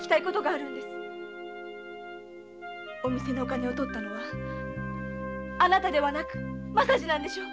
お店のお金を盗ったのはあなたではなく政次でしょう？